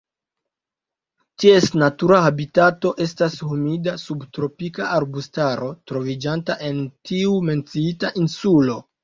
Ties natura habitato estas humida subtropika arbustaro troviĝanta en tiu menciita insulo.